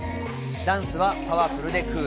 ダンスはパワフルでクール。